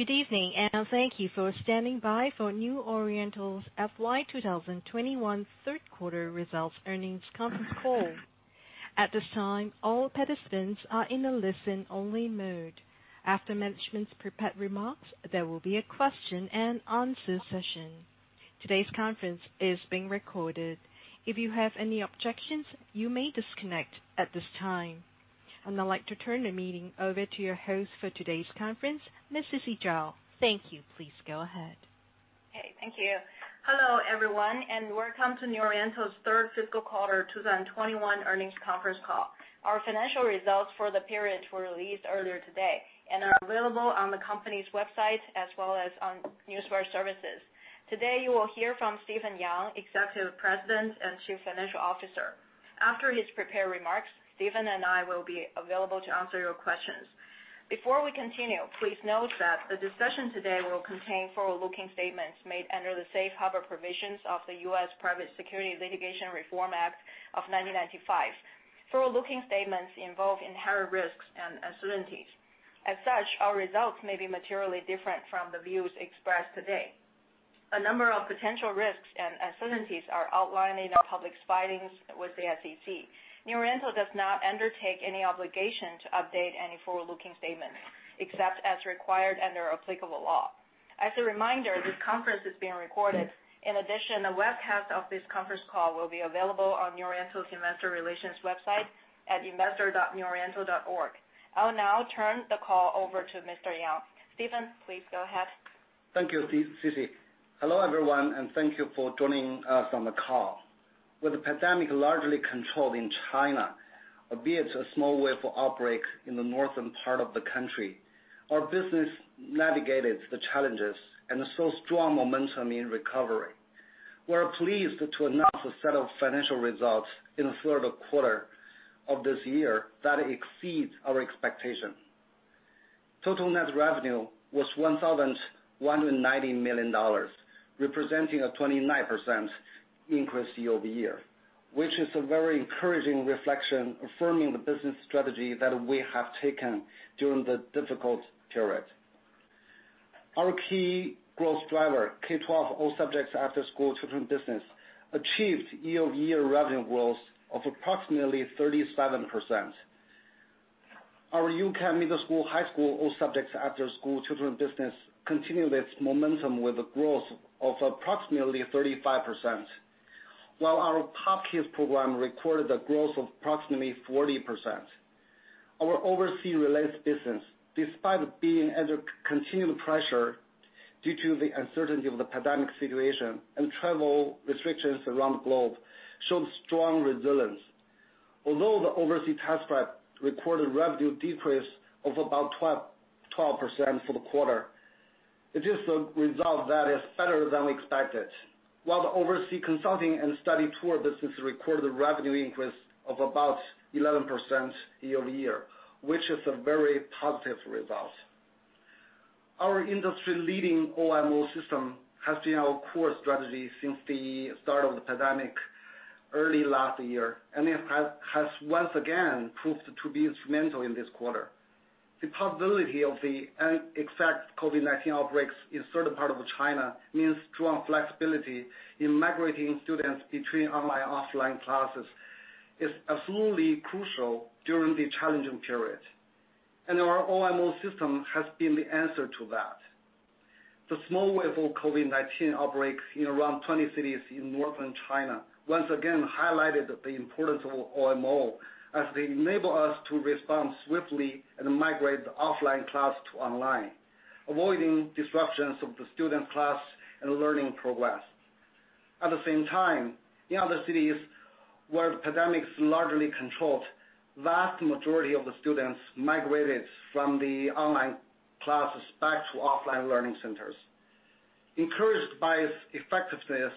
Good evening, and thank you for standing by for New Oriental's FY 2021 third quarter results earnings conference call. At this time, all participants are in a listen-only mode. After management's prepared remarks, there will be a question and answer session. Today's conference is being recorded. If you have any objections, you may disconnect at this time. I'd now like to turn the meeting over to your host for today's conference, Miss Sisi Zhao. Thank you. Please go ahead. Okay, thank you. Hello, everyone, and welcome to New Oriental's third fiscal quarter 2021 earnings conference call. Our financial results for the period were released earlier today and are available on the company's website as well as on news wire services. Today, you will hear from Stephen Yang, Executive President and Chief Financial Officer. After his prepared remarks, Stephen and I will be available to answer your questions. Before we continue, please note that the discussion today will contain forward-looking statements made under the Safe Harbor Provisions of the U.S. Private Securities Litigation Reform Act of 1995. Forward-looking statements involve inherent risks and uncertainties. As such, our results may be materially different from the views expressed today. A number of potential risks and uncertainties are outlined in our public filings with the SEC. New Oriental does not undertake any obligation to update any forward-looking statements, except as required under applicable law. As a reminder, this conference is being recorded. In addition, a webcast of this conference call will be available on New Oriental's investor relations website at investor.neworiental.org. I will now turn the call over to Mr. Yang. Stephen, please go ahead. Thank you, Sisi. Hello, everyone, and thank you for joining us on the call. With the pandemic largely controlled in China, albeit a small wave of outbreaks in the northern part of the country, our business navigated the challenges and saw strong momentum in recovery. We are pleased to announce a set of financial results in the third quarter of this year that exceeds our expectation. Total net revenue was $1,190 million, representing a 29% increase year-over-year, which is a very encouraging reflection affirming the business strategy that we have taken during the difficult period. Our key growth driver, K-12 all subjects after-school children business, achieved year-over-year revenue growth of approximately 37%. Our U-Can middle school, high school, all subjects after-school children business continued its momentum with a growth of approximately 35%, while our POP Kids program recorded a growth of approximately 40%. Our overseas-related business, despite being under continued pressure due to the uncertainty of the pandemic situation and travel restrictions around the globe, showed strong resilience. Although the Overseas Test Prep recorded revenue decrease of about 12% for the quarter, it is a result that is better than we expected. While the Overseas Consulting and Study Tour business recorded a revenue increase of about 11% year-over-year, which is a very positive result. Our industry-leading OMO system has been our core strategy since the start of the pandemic early last year, and it has once again proved to be instrumental in this quarter. The possibility of the unexpected COVID-19 outbreaks in certain part of China means strong flexibility in migrating students between online/offline classes. It's absolutely crucial during the challenging period, and our OMO system has been the answer to that. The small wave of COVID-19 outbreaks in around 20 cities in northern China once again highlighted the importance of OMO as they enable us to respond swiftly and migrate the offline class to online, avoiding disruptions of the student class and learning progress. At the same time, in other cities where the pandemic's largely controlled, vast majority of the students migrated from the online classes back to offline learning centers. Encouraged by its effectiveness,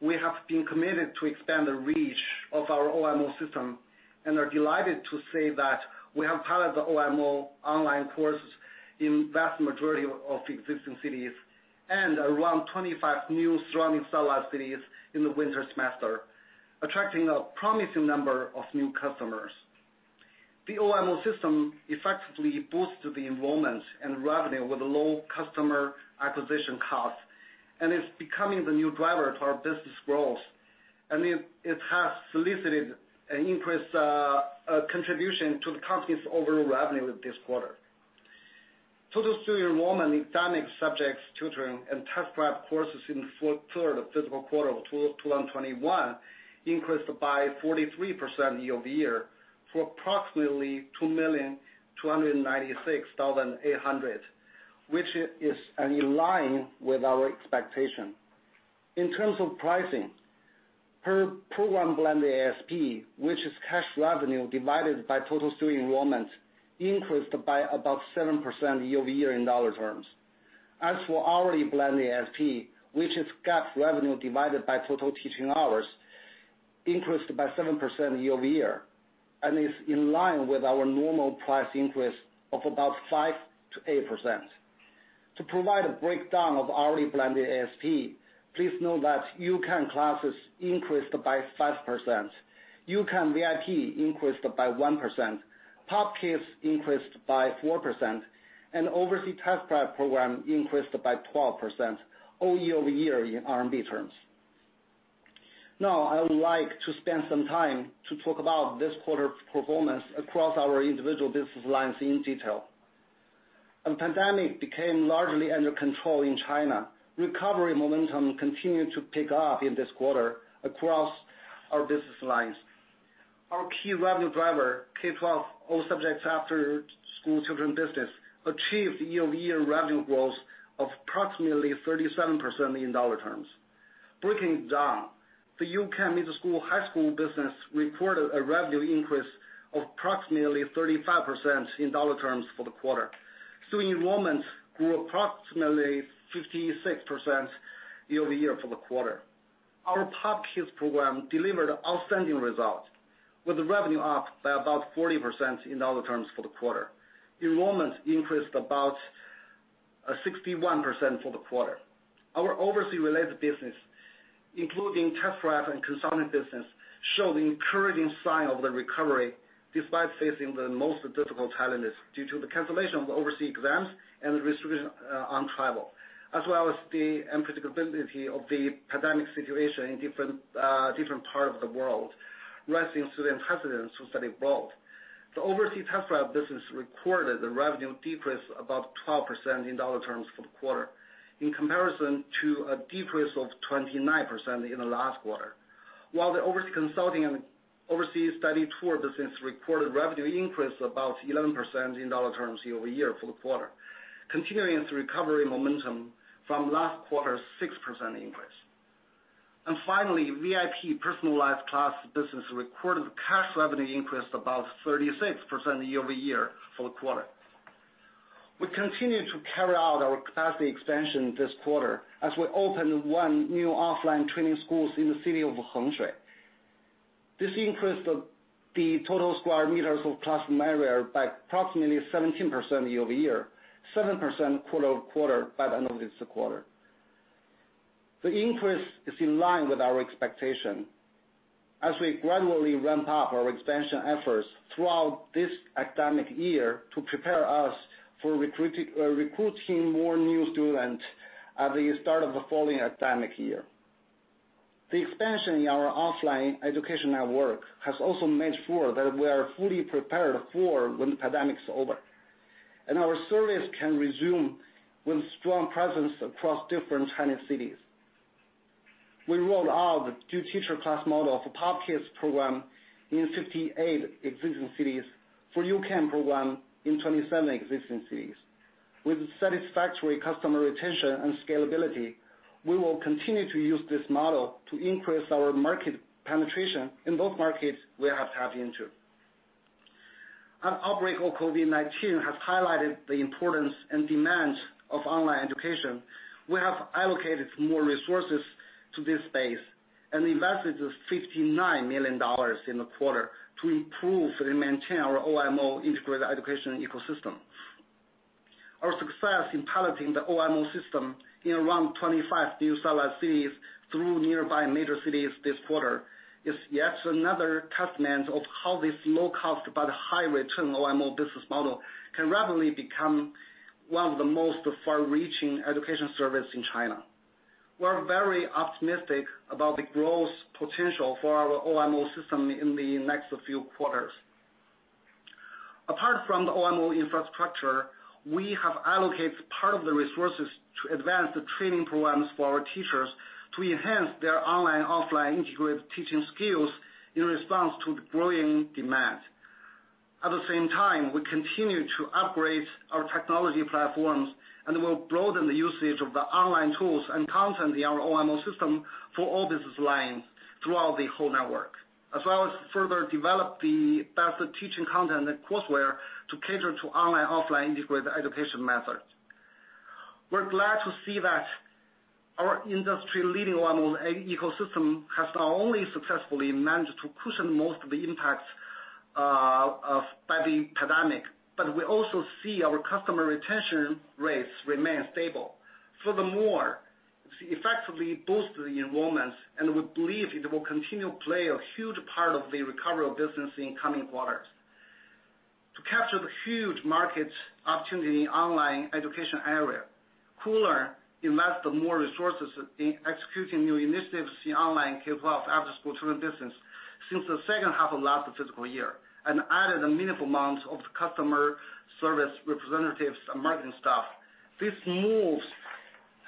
we have been committed to expand the reach of our OMO system and are delighted to say that we have piloted the OMO online courses in vast majority of existing cities and around 25 new surrounding satellite cities in the winter semester, attracting a promising number of new customers. The OMO system effectively boosted the enrollment and revenue with low customer acquisition costs. It's becoming the new driver to our business growth. It has solicited an increased contribution to the company's overall revenue this quarter. Total student enrollment in academic subjects tutoring and test prep courses in the third fiscal quarter of 2021 increased by 43% year-over-year to approximately 2,296,800, which is in line with our expectation. In terms of pricing, per program blended ASP, which is cash revenue divided by total student enrollment, increased by about 7% year-over-year in dollar terms. For hourly blended ASP, which is GAAP revenue divided by total teaching hours, increased by 7% year-over-year and is in line with our normal price increase of about 5%-8%. To provide a breakdown of hourly blended ASP, please note that U-Can classes increased by 5%, U-Can VIP increased by 1%, POP Kids increased by 4%, and Overseas Test Prep program increased by 12% all year-over-year in RMB terms. Now I would like to spend some time to talk about this quarter's performance across our individual business lines in detail. Pandemic became largely under control in China. Recovery momentum continued to pick up in this quarter across our business lines. Our key revenue driver, K-12 all subjects after-school children business, achieved year-over-year revenue growth of approximately 37% in dollar terms. Breaking it down, the U-Can middle school, high school business reported a revenue increase of approximately 35% in dollar terms for the quarter. Student enrollments grew approximately 56% year-over-year for the quarter. Our POP Kids program delivered outstanding results with revenue up by about 40% in dollar terms for the quarter. Enrollments increased about 61% for the quarter. Our overseas related business, including Test Prep and Consulting business, showed encouraging sign of the recovery despite facing the most difficult challenges due to the cancellation of the overseas exams and the restriction on travel, as well as the unpredictability of the pandemic situation in different part of the world, rising student hesitance to study abroad. The Overseas Test Prep business recorded the revenue decrease about 12% in dollar terms for the quarter in comparison to a decrease of 29% in the last quarter. While the Overseas Consulting and Overseas Study Tour business recorded revenue increase about 11% in dollar terms year-over-year for the quarter, continuing its recovery momentum from last quarter 6% increase. Finally, VIP personalized class business recorded cash revenue increase about 36% year-over-year for the quarter. We continue to carry out our capacity expansion this quarter as we open one new offline training schools in the city of Hengshui. This increased the total square meters of class area by approximately 17% year-over-year, 7% quarter-over-quarter by the end of this quarter. The increase is in line with our expectation as we gradually ramp up our expansion efforts throughout this academic year to prepare us for recruiting more new student at the start of the following academic year. The expansion in our offline educational work has also made sure that we are fully prepared for when the pandemic is over, and our service can resume with strong presence across different Chinese cities. We rolled out the two teacher class model for POP Kids program in 58 existing cities. For U-Can program in 27 existing cities. With satisfactory customer retention and scalability, we will continue to use this model to increase our market penetration in both markets we have tapped into. An outbreak of COVID-19 has highlighted the importance and demand of online education. We have allocated more resources to this space and invested $59 million in the quarter to improve and maintain our OMO integrated education ecosystem. Our success in piloting the OMO system in around 25 new satellite cities through nearby major cities this quarter is yet another testament of how this low cost but high return OMO business model can rapidly become one of the most far-reaching education service in China. We're very optimistic about the growth potential for our OMO system in the next few quarters. Apart from the OMO infrastructure, we have allocated part of the resources to advance the training programs for our teachers to enhance their online/offline integrated teaching skills in response to the growing demand. At the same time, we continue to upgrade our technology platforms, and we'll broaden the usage of the online tools and content in our OMO system for all business lines throughout the whole network, as well as further develop the best teaching content and courseware to cater to online/offline integrated education methods. We're glad to see that our industry-leading OMO ecosystem has not only successfully managed to cushion most of the impacts by the pandemic, but we also see our customer retention rates remain stable. Furthermore, it effectively boosted the enrollments, and we believe it will continue play a huge part of the recovery of business in coming quarters. To capture the huge market opportunity in online education area, Koolearn invested more resources in executing new initiatives in online K-12 after-school tutoring business since the second half of last fiscal year, and added a meaningful amount of customer service representatives and marketing staff. This move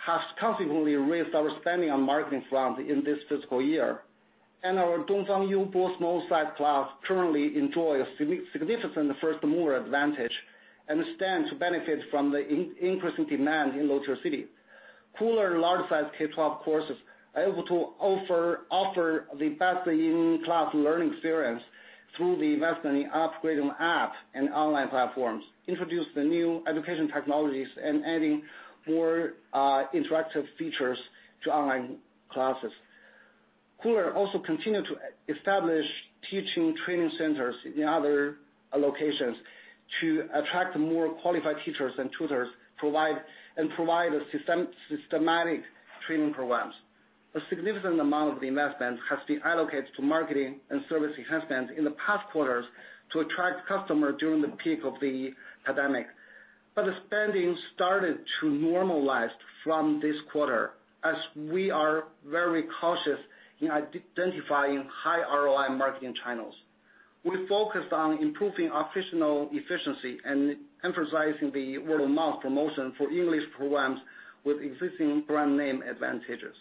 has considerably raised our spending on marketing front in this fiscal year. Our Dongfang Youbo small site class currently enjoy a significant first-mover advantage and stand to benefit from the increasing demand in low-tier city. Koolearn large size K-12 courses are able to offer the best in-class learning experience through the investment in upgrading app and online platforms, introduce the new education technologies, and adding more interactive features to online classes. Koolearn also continue to establish teaching training centers in other locations to attract more qualified teachers and tutors, and provide a systematic training programs. A significant amount of the investment has been allocated to marketing and service enhancement in the past quarters to attract customer during the peak of the pandemic. The spending started to normalize from this quarter, as we are very cautious in identifying high ROI marketing channels. We focused on improving operational efficiency and emphasizing the word-of-mouth promotion for English programs with existing brand name advantages,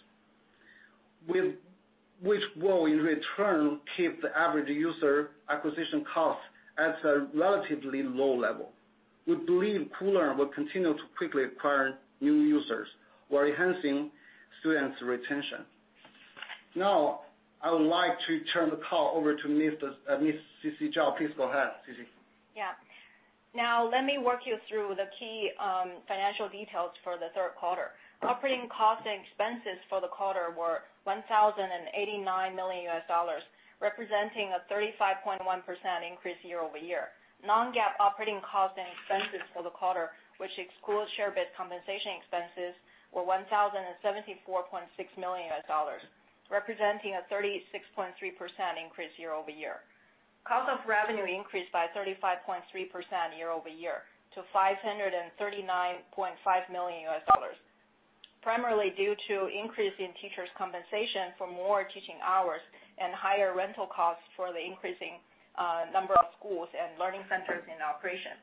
which will, in return, keep the average user acquisition cost at a relatively low level. We believe Koolearn will continue to quickly acquire new users while enhancing students' retention. I would like to turn the call over to Ms. Sisi Zhao. Please go ahead, Sisi. Yeah. Now let me walk you through the key financial details for the third quarter. Operating costs and expenses for the quarter were $1,089 million, representing a 35.1% increase year-over-year. Non-GAAP operating costs and expenses for the quarter, which excludes share-based compensation expenses, were $1,074.6 million, representing a 36.3% increase year-over-year. Cost of revenue increased by 35.3% year-over-year to $539.5 million, primarily due to increase in teachers' compensation for more teaching hours and higher rental costs for the increasing number of schools and learning centers in operation.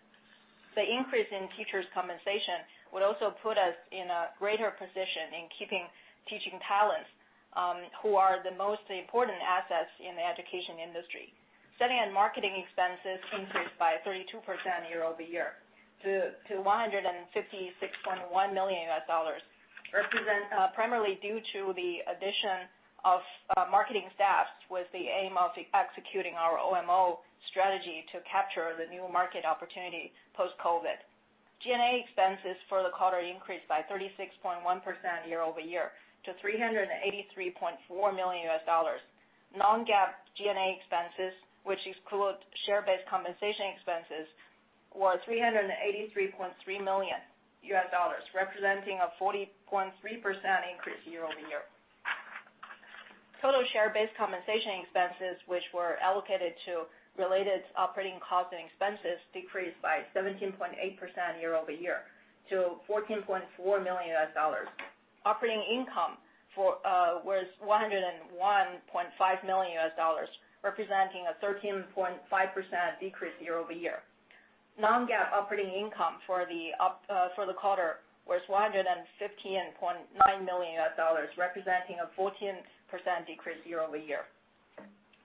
The increase in teachers' compensation would also put us in a greater position in keeping teaching talents who are the most important assets in the education industry. Selling and marketing expenses increased by 32% year-over-year to $156.1 million, primarily due to the addition of marketing staff with the aim of executing our OMO strategy to capture the new market opportunity post-COVID-19. G&A expenses for the quarter increased by 36.1% year-over-year to $383.4 million. Non-GAAP G&A expenses, which exclude share-based compensation expenses, was $383.3 million, representing a 40.3% increase year-over-year. Total share-based compensation expenses, which were allocated to related operating costs and expenses, decreased by 17.8% year-over-year to $14.4 million. Operating income was $101.5 million, representing a 13.5% decrease year-over-year. Non-GAAP operating income for the quarter was $115.9 million, representing a 14% decrease year-over-year.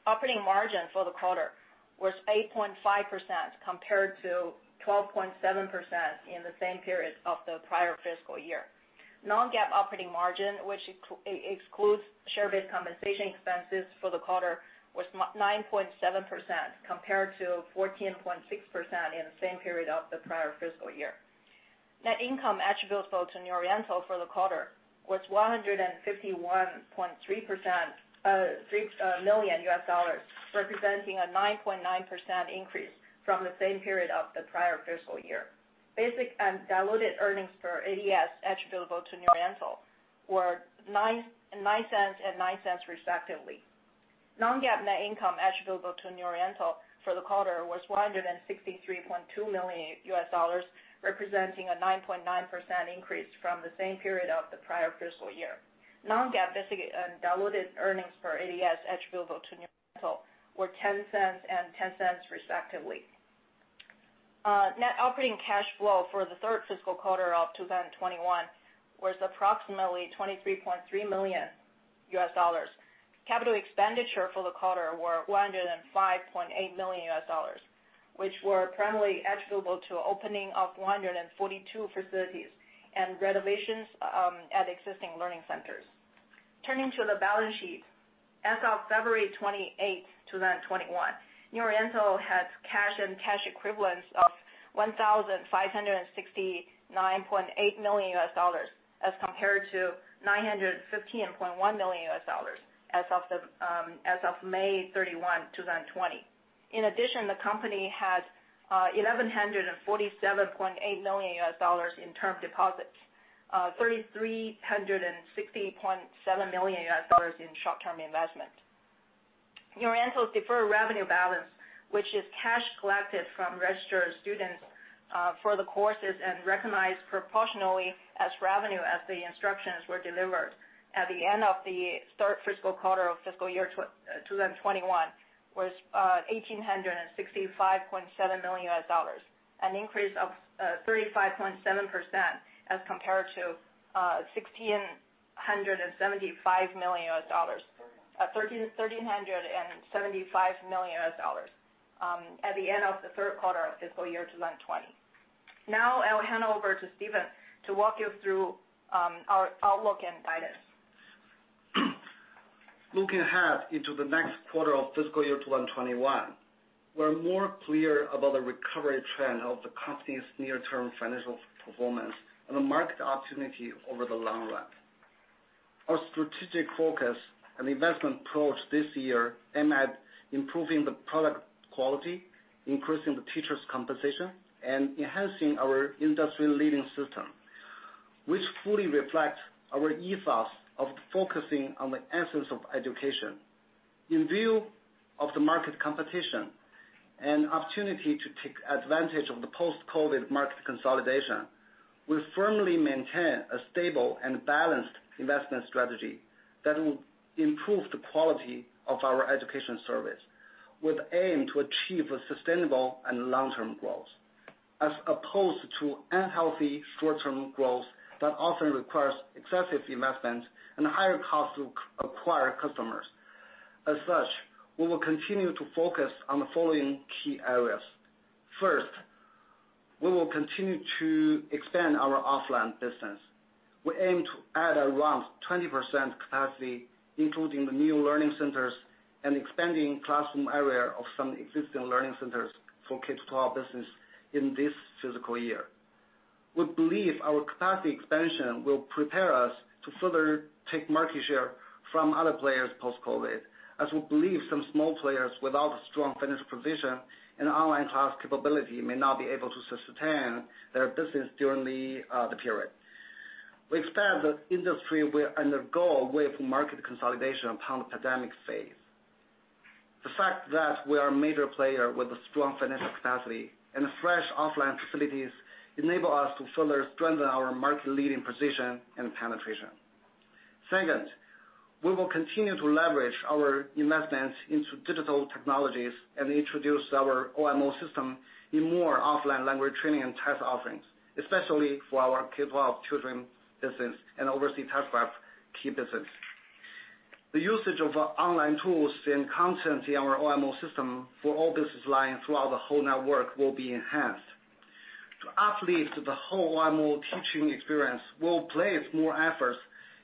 Operating margin for the quarter was 8.5% compared to 12.7% in the same period of the prior fiscal year. Non-GAAP operating margin, which excludes share-based compensation expenses for the quarter, was 9.7% compared to 14.6% in the same period of the prior fiscal year. Net income attributable to New Oriental for the quarter was $151.3 million, representing a 9.9% increase from the same period of the prior fiscal year. Basic and diluted earnings per ADS attributable to New Oriental were $0.09 and $0.09, respectively. Non-GAAP net income attributable to New Oriental for the quarter was $163.2 million, representing a 9.9% increase from the same period of the prior fiscal year. Non-GAAP basic and diluted earnings per ADS attributable to New Oriental were $0.10 and $0.10, respectively. Net operating cash flow for the third fiscal quarter of 2021 was approximately $23.3 million. Capital expenditure for the quarter was $105.8 million, which were primarily attributable to opening of 142 facilities and renovations at existing learning centers. Turning to the balance sheet. As of February 28, 2021, New Oriental has cash and cash equivalents of $1,569.8 million as compared to $915.1 million as of May 31, 2020. In addition, the company had $1,147.8 million in term deposits, $3,360.7 million in short-term investment. New Oriental's deferred revenue balance, which is cash collected from registered students for the courses and recognized proportionally as revenue as the instructions were delivered at the end of the third fiscal quarter of fiscal year 2021 was $1,865.7 million, an increase of 35.7% as compared to $1,375 million at the end of the third quarter of fiscal year 2020. I will hand over to Stephen to walk you through our outlook and guidance. Looking ahead into the next quarter of fiscal year 2021, we're more clear about the recovery trend of the company's near-term financial performance and the market opportunity over the long run. Our strategic focus and investment approach this year aim at improving the product quality, increasing the teachers' compensation, and enhancing our industry-leading system, which fully reflects our ethos of focusing on the essence of education. In view of the market competition and opportunity to take advantage of the post-COVID market consolidation, we firmly maintain a stable and balanced investment strategy that will improve the quality of our education service with aim to achieve a sustainable and long-term growth. As opposed to unhealthy short-term growth that often requires excessive investment and higher cost to acquire customers. As such, we will continue to focus on the following key areas. First, we will continue to expand our offline business. We aim to add around 20% capacity, including the new learning centers and expanding classroom area of some existing learning centers for K-12 business in this fiscal year. We believe our capacity expansion will prepare us to further take market share from other players post-COVID, as we believe some small players without a strong financial position and online class capability may not be able to sustain their business during the period. We expect the industry will undergo a wave of market consolidation upon the pandemic phase. The fact that we are a major player with a strong financial capacity and fresh offline facilities enable us to further strengthen our market leading position and penetration. Second, we will continue to leverage our investments into digital technologies and introduce our OMO system in more offline language training and test offerings, especially for our K-12 children business and Overseas Test Prep key business. The usage of online tools and content in our OMO system for all business lines throughout the whole network will be enhanced. To uplift the whole OMO teaching experience, we'll place more efforts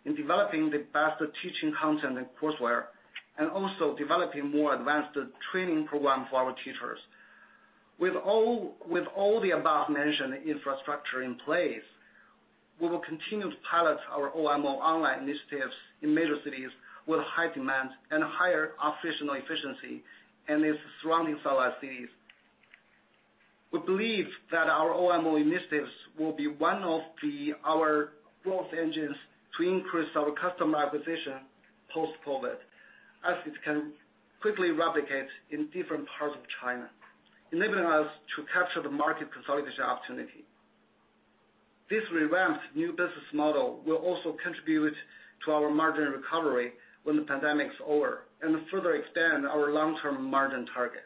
in developing the best teaching content and courseware, and also developing more advanced training program for our teachers. With all the above mentioned infrastructure in place, we will continue to pilot our OMO online initiatives in major cities with high demand and higher operational efficiency and its surrounding cities. We believe that our OMO initiatives will be one of our growth engines to increase our customer acquisition post-COVID, as it can quickly replicate in different parts of China, enabling us to capture the market consolidation opportunity. This revamped new business model will also contribute to our margin recovery when the pandemic's over and further expand our long-term margin target.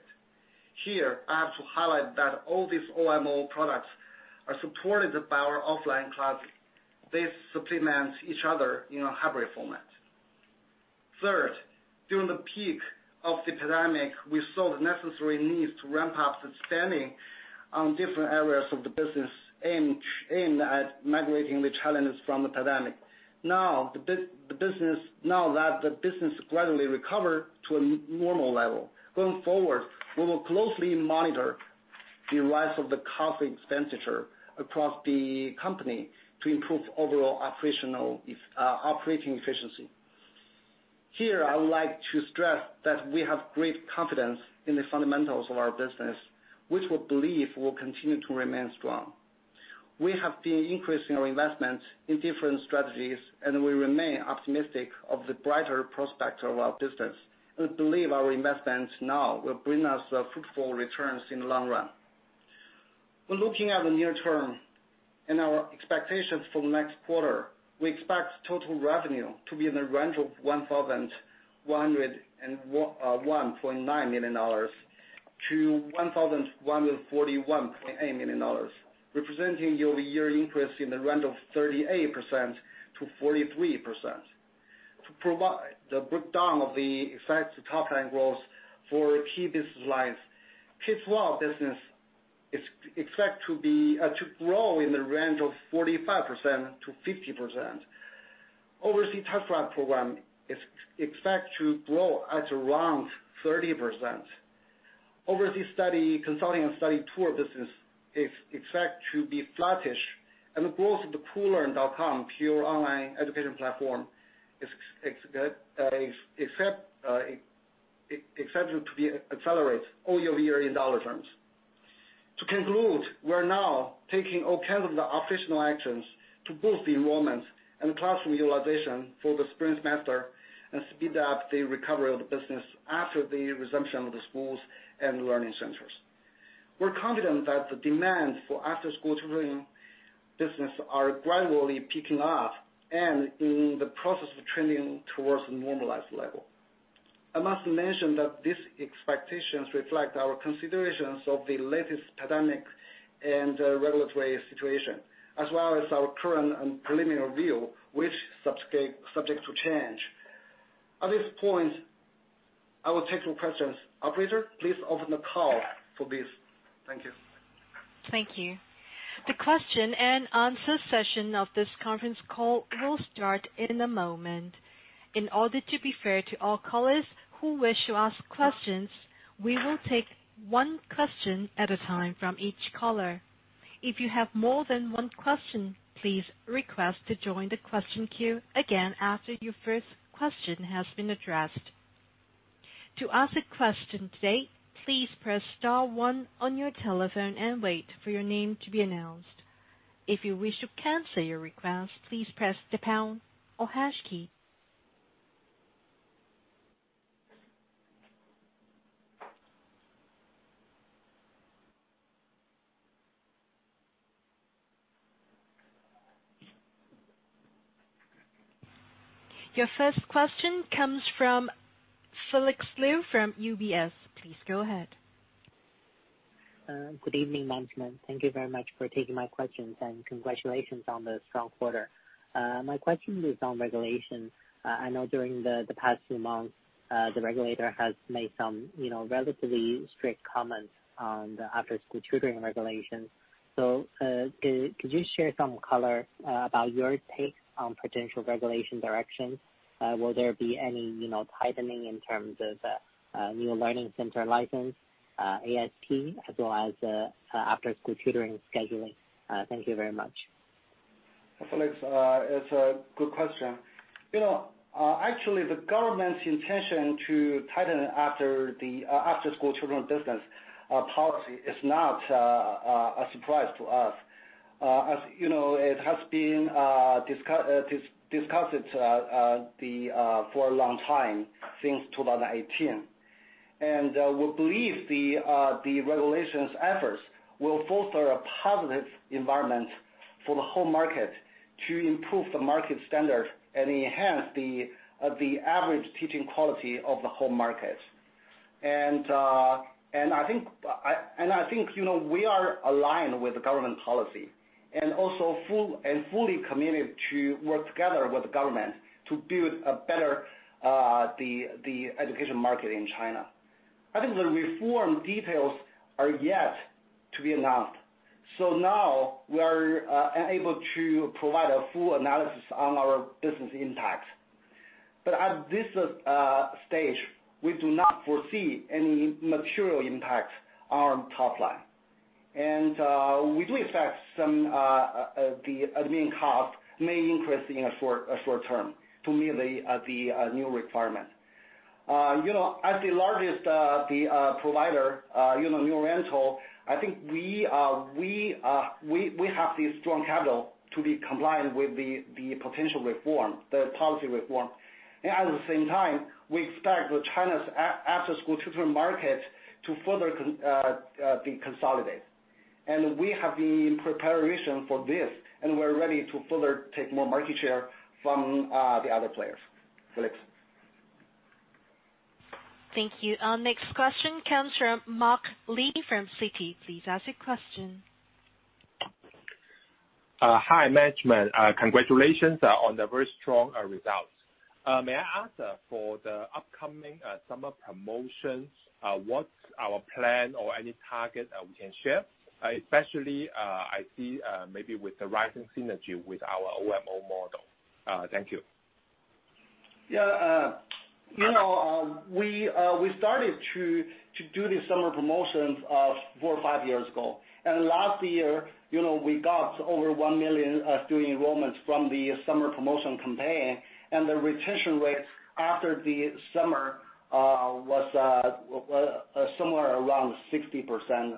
Here, I have to highlight that all these OMO products are supported by our offline classes. They supplement each other in a hybrid format. Third, during the peak of the pandemic, we saw the necessary need to ramp up the spending on different areas of the business aimed at mitigating the challenges from the pandemic. Now that the business gradually recover to a normal level, going forward, we will closely monitor the rise of the cost expenditure across the company to improve overall operating efficiency. Here, I would like to stress that we have great confidence in the fundamentals of our business, which we believe will continue to remain strong. We have been increasing our investment in different strategies, we remain optimistic of the brighter prospect of our business and believe our investments now will bring us fruitful returns in the long run. When looking at the near term and our expectations for the next quarter, we expect total revenue to be in the range of $1,101.9 million-$1,141.8 million, representing year-over-year increase in the range of 38%-43%. To provide the breakdown of the effects to top line growth for key business lines, K-12 business is expected to grow in the range of 45%-50%. Overseas test prep program is expected to grow at around 30%. Overseas Consulting and Study Tour business is expected to be flattish, and the growth of the koolearn.com, pure online education platform, is expected to accelerate all year in dollar terms. To conclude, we're now taking all kinds of the operational actions to boost the enrollment and classroom utilization for the spring semester and speed up the recovery of the business after the resumption of the schools and learning centers. We're confident that the demand for after-school tutoring business are gradually picking up and in the process of trending towards normalized level. I must mention that these expectations reflect our considerations of the latest pandemic and regulatory situation, as well as our current and preliminary view, which subject to change. At this point, I will take your questions. Operator, please open the call for this. Thank you. Thank you. The question and answer session of this conference call will start in a moment. In order to be fair to all callers who wish to ask questions, we will take one question at a time from each caller. If you have more than one question, please request to join the question queue again after your first question has been addressed. To ask a question today, please press star one on your telephone and wait for your name to be announced. If you wish to cancel your request, please press the pound or hash key. Your first question comes from Felix Liu from UBS. Please go ahead. Good evening, management. Thank you very much for taking my questions, and congratulations on the strong quarter. My question is on regulation. I know during the past few months, the regulator has made some relatively strict comments on the after-school tutoring regulations. Could you share some color about your take on potential regulation direction? Will there be any tightening in terms of new learning center license, ASP, as well as after-school tutoring scheduling? Thank you very much. Felix, it's a good question. Actually, the government's intention to tighten the after-school children business policy is not a surprise to us. It has been discussed for a long time, since 2018. We believe the regulation's efforts will foster a positive environment for the whole market to improve the market standard and enhance the average teaching quality of the whole market. I think we are aligned with the government policy and also fully committed to work together with the government to build a better education market in China. I think the reform details are yet to be announced. Now we are unable to provide a full analysis on our business impact. At this stage, we do not foresee any material impact on top line. We do expect some of the admin costs may increase in a short term to meet the new requirement. As the largest provider, New Oriental, I think we have the strong capital to be compliant with the potential reform, the policy reform. At the same time, we expect China's after-school tutoring market to further consolidate. We have been in preparation for this, and we're ready to further take more market share from the other players. Felix. Thank you. Our next question comes from Mark Li from Citi. Please ask your question. Hi, management. Congratulations on the very strong results. May I ask for the upcoming summer promotions, what's our plan or any target that we can share? Especially, I see maybe with the rising synergy with our OMO model. Thank you. Yeah. We started to do the summer promotions four or five years ago. Last year, we got over 1 million student enrollments from the summer promotion campaign, and the retention rate after the summer was somewhere around 60%,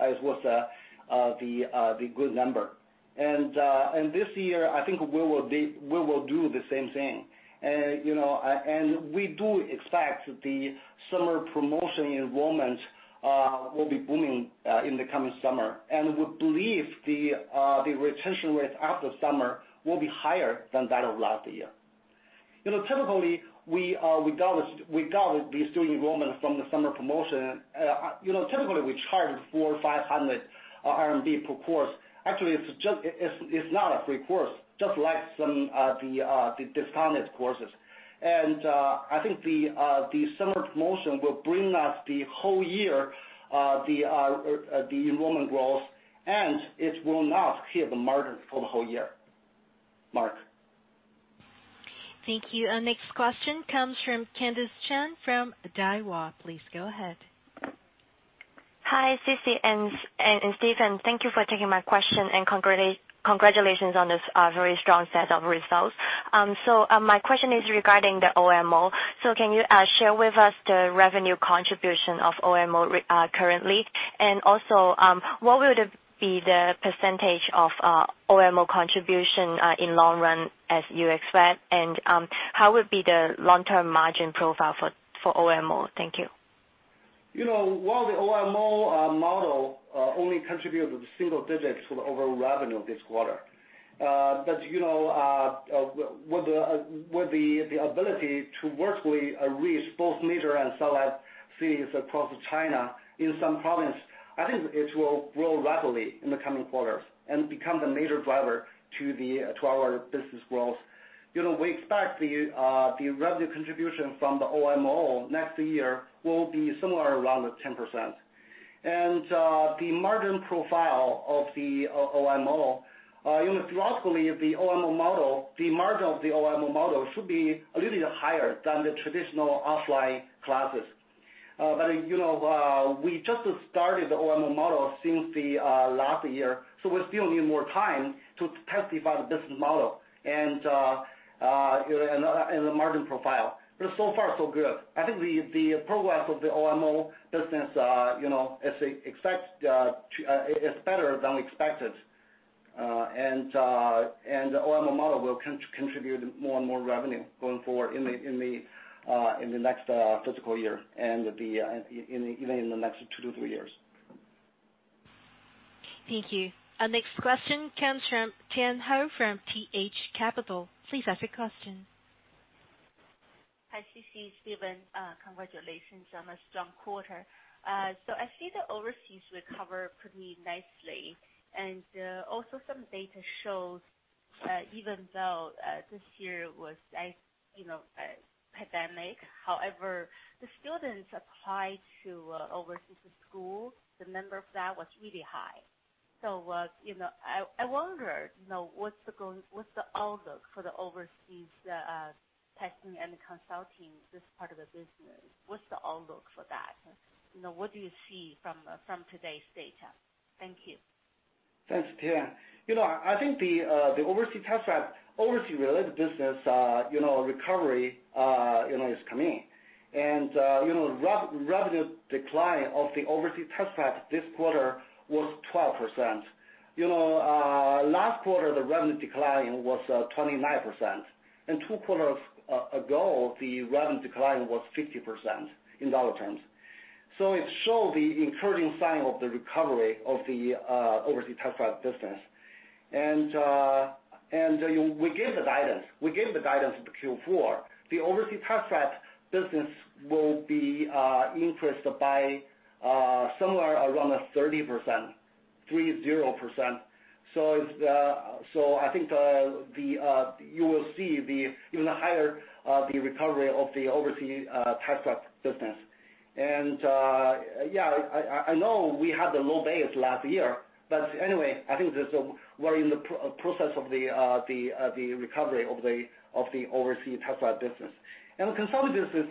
as was the good number. This year, I think we will do the same thing. We do expect the summer promotion enrollment will be booming in the coming summer, and we believe the retention rate after summer will be higher than that of last year. Typically, we got the student enrollment from the summer promotion. Typically, we charge 400, 500 RMB per course. Actually, it's not a free course, just like some of the discounted courses. I think the summer promotion will bring us the whole year, the enrollment growth, and it will not hit the margin for the whole year. Mark. Thank you. Our next question comes from Candice Chen from Daiwa. Please go ahead. Hi, Sisi and Stephen. Thank you for taking my question, and congratulations on this very strong set of results. My question is regarding the OMO. Can you share with us the revenue contribution of OMO currently? Also, what would be the percentage of OMO contribution in long run as you expect, and how would be the long-term margin profile for OMO? Thank you. The OMO model only contributes single digits to the overall revenue this quarter. With the ability to virtually reach both major and satellite cities across China, in some province, I think it will grow rapidly in the coming quarters and become the major driver to our business growth. We expect the revenue contribution from the OMO next year will be somewhere around 10%. The margin profile of the OMO, philosophically, the margin of the OMO model should be a little bit higher than the traditional offline classes. We just started the OMO model since the last year, so we still need more time to test the business model and the margin profile. So far so good. I think the progress of the OMO business is better than we expected. The OMO model will contribute more and more revenue going forward in the next fiscal year and even in the next two to three years. Thank you. Our next question comes from Tian Hou from TH Capital. Please ask your question. Hi, Sisi, Stephen. Congratulations on a strong quarter. I see the overseas recover pretty nicely, and also some data shows that even though this year was a pandemic, however, the students applied to overseas school, the number for that was really high. I wonder now what's the outlook for the overseas testing and consulting, this part of the business? What's the outlook for that? What do you see from today's data? Thank you. Thanks, Tian. I think the overseas related business recovery is coming. Revenue decline of the Overseas Test Prep this quarter was 12%. Last quarter, the revenue decline was 29%. Two quarters ago, the revenue decline was 50% in dollar terms. It showed the encouraging sign of the recovery of the Overseas Test Prep business. We gave the guidance for Q4. The Overseas Test Prep business will be increased by somewhere around 30%. I think you will see even a higher recovery of the Overseas Test Prep business. I know we had the low base last year. Anyway, I think we're in the process of the recovery of the Overseas Test Prep business. In the Consulting business,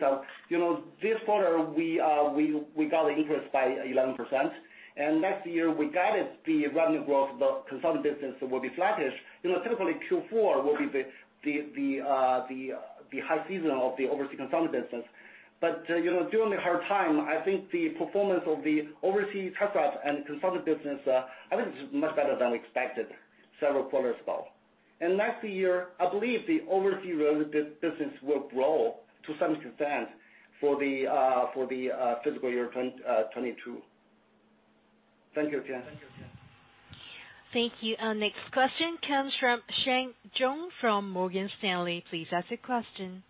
this quarter, we got increased by 11%. Next year, we guided the revenue growth of the Consulting business will be flattish. Typically, Q4 will be the high season of the Overseas Consulting business. During the hard time, I think the performance of the Overseas Test Prep and Consulting business, I think it's much better than expected several quarters now. Next year, I believe the overseas business will grow to some extent for the fiscal year 2022. Thank you, Tian. Thank you. Our next question comes from Sheng Zhong from Morgan Stanley. Please ask your question.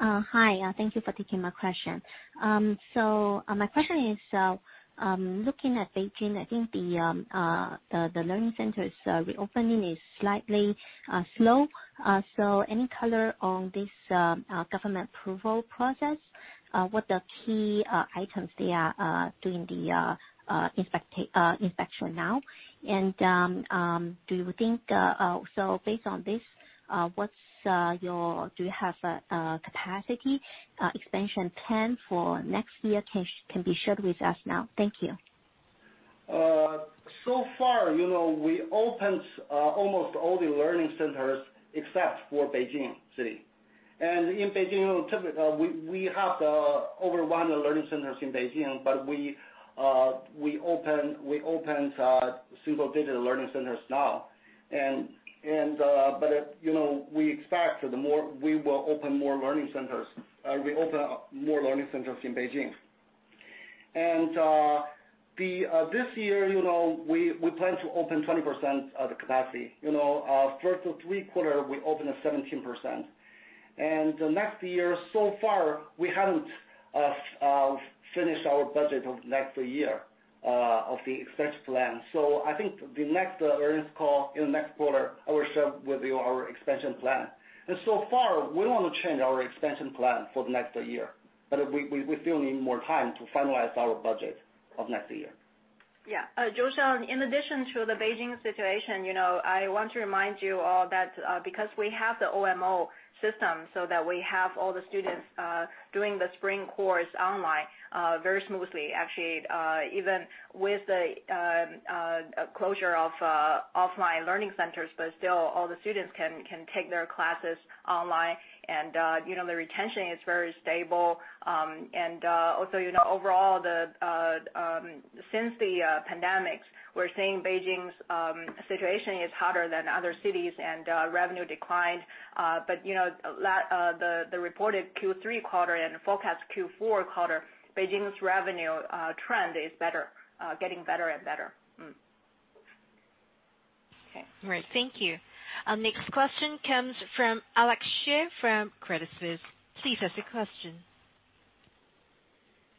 Hi. Thank you for taking my question. My question is, looking at Beijing, I think the learning centers reopening is slightly slow. Any color on this government approval process? What are key items they are doing the inspection now? Do you think based on this, do you have a capacity expansion plan for next year can be shared with us now? Thank you. So far, we opened almost all the learning centers except for Beijing City. In Beijing, we have over 100 learning centers in Beijing, but we opened single-digit learning centers now. We expect we will open more learning centers in Beijing. This year, we plan to open 20% of the capacity. First three quarter, we opened 17%. Next year, far, we haven't finished our budget of next year of the expansion plan. I think the next earnings call in next quarter, I will share with you our expansion plan. Far, we don't want to change our expansion plan for the next year. We still need more time to finalize our budget of next year. Sheng Zhong, in addition to the Beijing situation, I want to remind you all that because we have the OMO system, so that we have all the students doing the spring course online very smoothly. Actually, even with the closure of offline learning centers, but still all the students can take their classes online, and the retention is very stable. Also overall since the pandemic, we're seeing Beijing's situation is harder than other cities and revenue declined. The reported Q3 quarter and forecast Q4 quarter, Beijing's revenue trend is getting better and better. Okay. All right. Thank you. Our next question comes from Alex Xie from Credit Suisse. Please ask your question.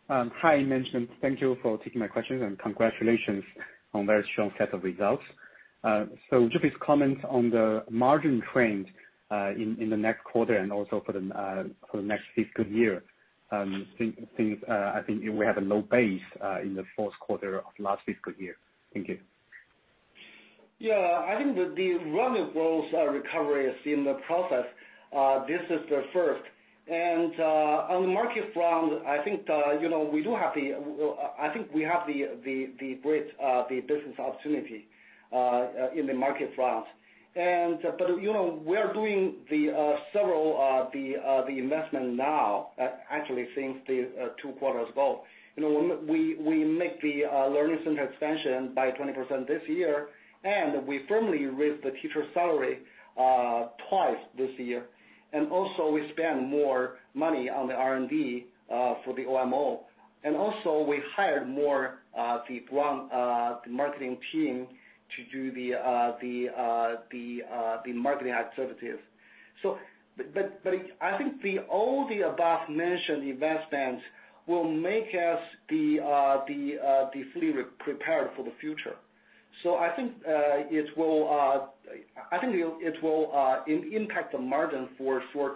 Hi, management. Thank you for taking my questions, and congratulations on very strong set of results. Would you please comment on the margin trend in the next quarter and also for the next fiscal year since I think we have a low base in the fourth quarter of last fiscal year? Thank you. Yeah, I think the revenue growth recovery is in the process. This is the first. On the market front, I think we have the business opportunity in the market front. We are doing several investments now, actually, since two quarters ago. We make the learning center expansion by 20% this year, and we firmly raised the teacher salary twice this year. Also we spend more money on the R&D for the OMO. Also we hired more people on the marketing team to do the marketing activities. I think all the above-mentioned investments will make us fully prepared for the future. I think it will impact the margin for short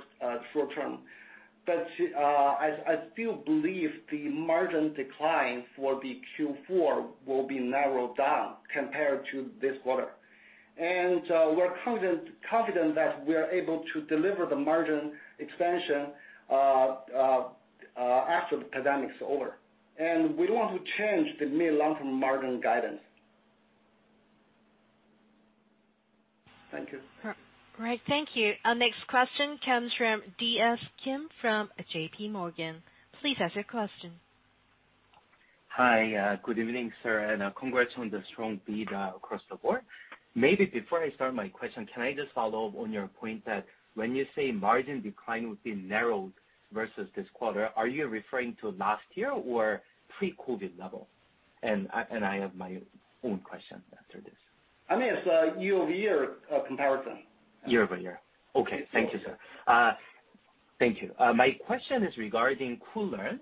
term. I still believe the margin decline for the Q4 will be narrowed down compared to this quarter. We're confident that we are able to deliver the margin expansion after the pandemic is over. We don't want to change the mid longer-term margin guidance. Thank you. Right. Thank you. Our next question comes from DS Kim from JPMorgan. Please ask your question. Hi. Good evening, sir. Congrats on the strong beat across the board. Maybe before I start my question, can I just follow up on your point that when you say margin decline would be narrowed versus this quarter, are you referring to last year or pre-COVID level? I have my own question after this. I mean, it's year-over-year comparison. Year-over-year. Okay. Thank you, sir. Yes. Thank you. My question is regarding Koolearn,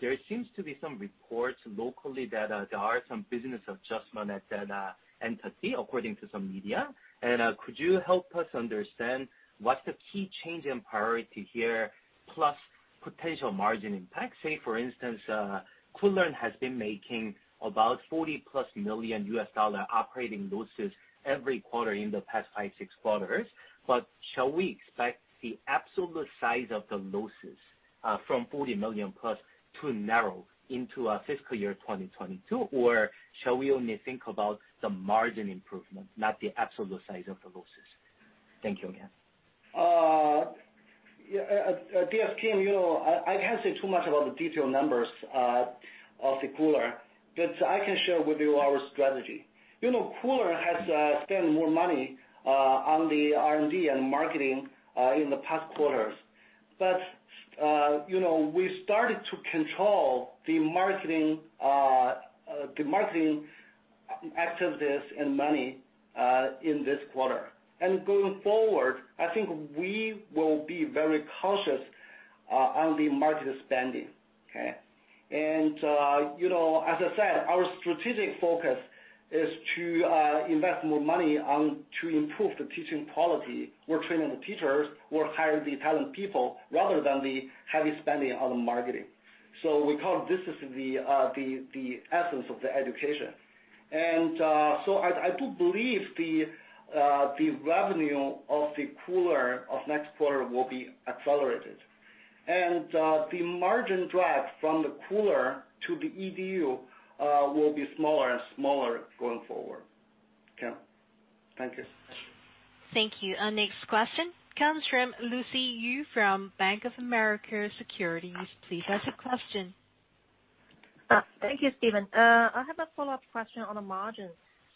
there seems to be some reports locally that there are some business adjustment at that entity, according to some media. Could you help us understand what's the key change in priority here, plus potential margin impact? Say, for instance Koolearn has been making about $40+ million operating losses every quarter in the past five, six quarters. Shall we expect the absolute size of the losses from $40 million+ to narrow into our FY 2022, or shall we only think about the margin improvement, not the absolute size of the losses? Thank you again. Yeah, DS Kim, I can't say too much about the detailed numbers of the Koolearn, but I can share with you our strategy. Koolearn has spent more money on the R&D and marketing in the past quarters. We started to control the marketing activities and money in this quarter. Going forward, I think we will be very cautious on the marketing spending, okay? As I said, our strategic focus is to invest more money to improve the teaching quality. We're training the teachers, we're hiring the talent people, rather than the heavy spending on the marketing. We call this the essence of the education. I do believe the revenue of the Koolearn of next quarter will be accelerated. The margin drag from the Koolearn to the EDU will be smaller and smaller going forward. Okay, thank you. Thank you. Our next question comes from Lucy Yu from Bank of America Securities. Please ask your question. Thank you, Stephen. I have a follow-up question on the margin.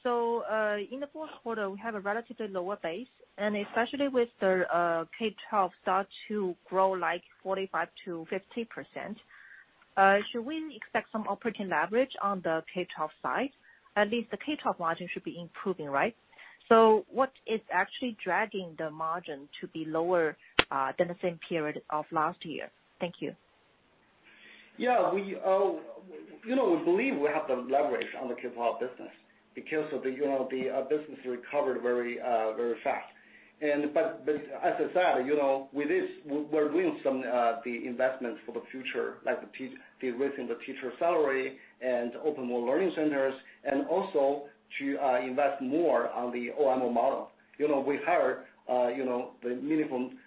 In the fourth quarter, we have a relatively lower base, and especially with the K-12 start to grow like 45%-50%. Should we expect some operating leverage on the K-12 side? At least the K-12 margin should be improving, right? What is actually dragging the margin to be lower than the same period of last year? Thank you. Yeah. We believe we have the leverage on the K-12 business because of the business recovered very fast. As I said, with this, we're doing some of the investments for the future, like the raising the teacher salary and open more learning centers, and also to invest more on the OMO model. We hired the minimum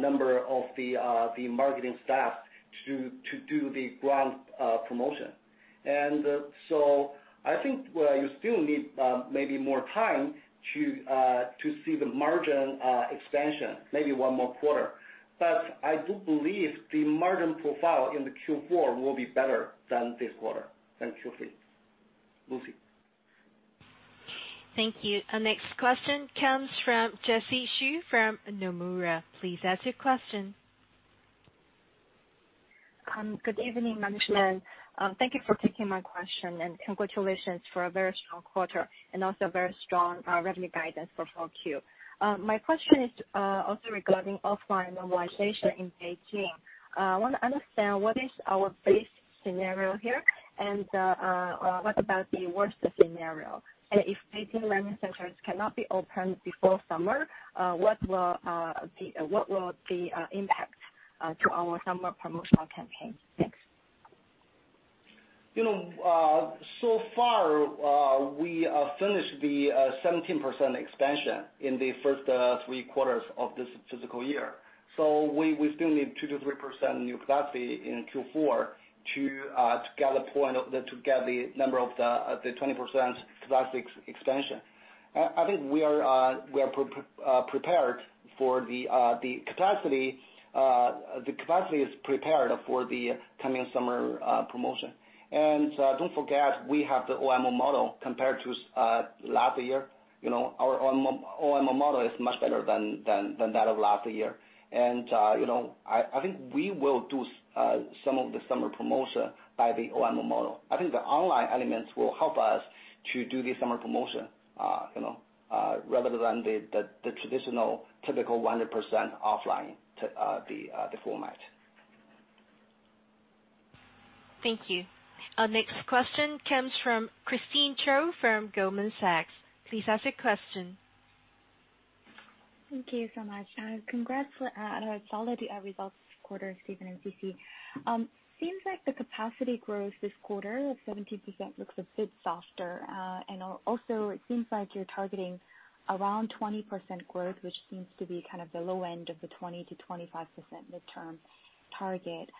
number of the marketing staff to do the ground promotion. I think you still need maybe more time to see the margin expansion, maybe one more quarter. I do believe the margin profile in the Q4 will be better than this quarter and Q3. Lucy. Thank you. Our next question comes from Jessie Xu from Nomura. Please ask your question. Good evening, management. Thank you for taking my question. Congratulations for a very strong quarter and also very strong revenue guidance for 4Q. My question is also regarding offline normalization in Beijing. I want to understand what is our base scenario here. What about the worst scenario? If Beijing learning centers cannot be opened before summer, what will be impact to our summer promotional campaign? Thanks. Far, we finished the 17% expansion in the first three quarters of this fiscal year. We still need 2%-3% new capacity in Q4 to get the number of the 20% capacity expansion. I think we are prepared for the capacity. The capacity is prepared for the coming summer promotion. Don't forget, we have the OMO model compared to last year. Our OMO model is much better than that of last year. I think we will do some of the summer promotion by the OMO model. I think the online elements will help us to do the summer promotion, rather than the traditional typical 100% offline, the format. Thank you. Our next question comes from Christine Cho from Goldman Sachs. Please ask your question. Thank you so much. Congrats on solid results this quarter, Stephen and Sisi. Seems like the capacity growth this quarter of 17% looks a bit softer. Also, it seems like you're targeting around 20% growth, which seems to be kind of the low end of the 20%-25% midterm target.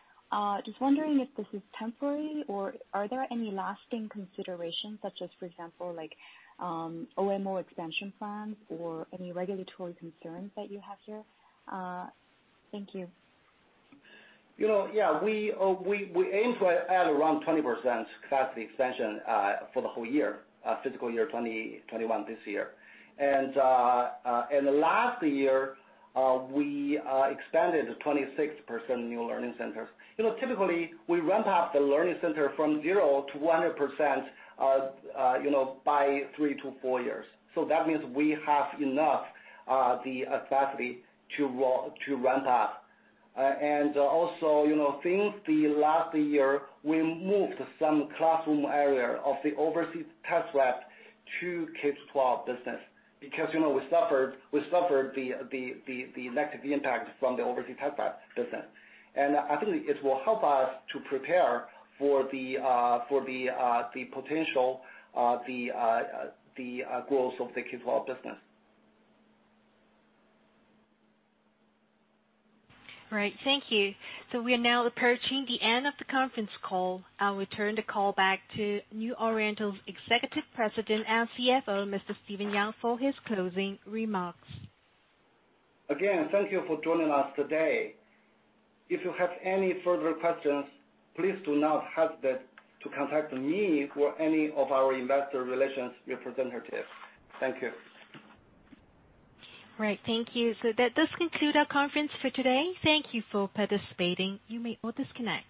Just wondering if this is temporary or are there any lasting considerations such as, for example, like OMO expansion plans or any regulatory concerns that you have here? We aim to add around 20% capacity expansion for the whole year, fiscal year 2021 this year. Last year, we expanded 26% new learning centers. Typically, we ramp up the learning center from 0% to 100% by three to four years. That means we have enough capacity to ramp up. Also since the last year, we moved some classroom area of the Overseas Test Prep to K-12 business because we suffered the negative impact from the Overseas Test Prep business. I think it will help us to prepare for the potential growth of the K-12 business. Great. Thank you. We are now approaching the end of the conference call. I'll return the call back to New Oriental's Executive President and CFO, Mr. Stephen Yang, for his closing remarks. Again, thank you for joining us today. If you have any further questions, please do not hesitate to contact me or any of our investor relations representatives. Thank you. Great. Thank you. That does conclude our conference for today. Thank you for participating. You may all disconnect.